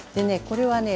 これはね